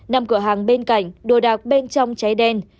nằm cửa hàng bên cạnh đồ đạc bên trong cháy đen